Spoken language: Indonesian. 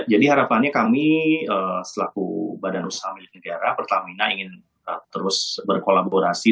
harapannya kami selaku badan usaha milik negara pertamina ingin terus berkolaborasi